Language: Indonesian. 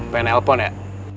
pengen nelpon ya